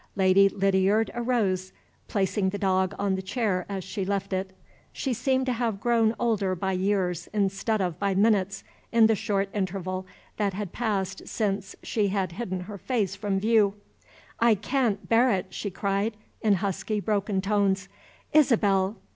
Lady Lydiard rose, placing the dog on the chair as she left it. She seemed to have grown older by years, instead of by minutes, in the short interval that had passed since she had hidden her face from view. "I can't bear it!" she cried, in husky, broken tones. "Isabel!